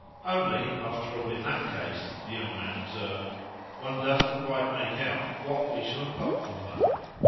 Only, after all, in that case," the young man observed, "one doesn't quite make out what we shall have got from her."